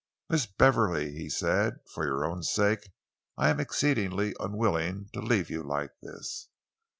"Miss Beverley," he said, "for your own sake I am exceedingly unwilling to leave you like this.